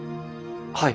はい。